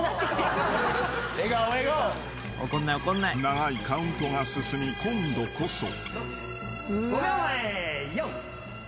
［長いカウントが進み今度こそ］